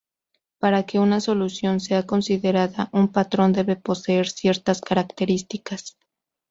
Para que una solución sea considerada un patrón debe poseer ciertas características.